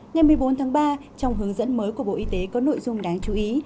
ngày một mươi bốn tháng ba trong hướng dẫn mới của bộ y tế có nội dung đáng chú ý